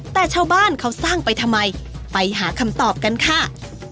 แต่ชาวบ้านเขาสร้างไปทำไมไปหาคำตอบกันค่ะ